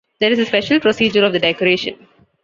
There is a special procedure of the decoration.